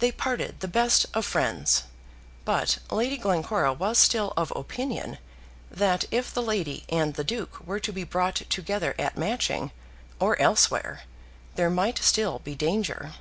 They parted the best of friends, but Lady Glencora was still of opinion that if the lady and the Duke were to be brought together at Matching, or elsewhere, there might still be danger.